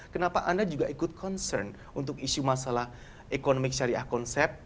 kenapa anda juga ikut concern untuk isu masalah ekonomi syariah konsep